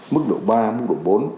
mức độ ba mức độ bốn